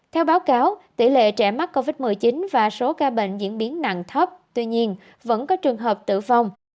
theo báo cáo tỷ lệ trẻ mắc covid một mươi chín và số ca bệnh diễn biến nặng thấp tuy nhiên vẫn có trường hợp tử vong